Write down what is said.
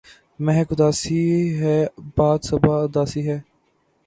مہک اُداسی ہے، باد ِ صبا اُداسی ہے